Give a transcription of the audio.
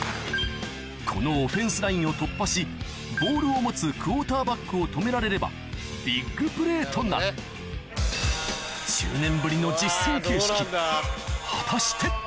このオフェンスラインを突破しボールを持つクォーターバックを止められればビッグプレーとなる果たして？